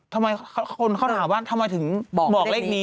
ทำไมคนเขาถามว่าทำไมถึงบอกเลขนี้